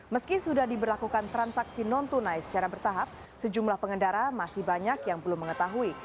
meski sudah diberlakukan transaksi non tunai secara bertahap sejumlah pengendara masih banyak yang belum mengetahui